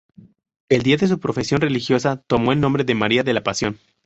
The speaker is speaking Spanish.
El día de su profesión religiosa tomó el nombre de María de la Pasión.